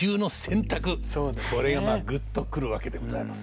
これがぐっと来るわけでございます。